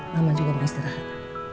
mama juga mau istirahat